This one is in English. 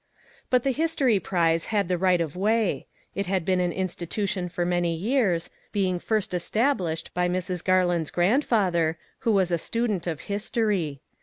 But the history prize had the right of way. It had been an institution for many years, be ing first established by Mrs. Garland's grand father, who was a student of history.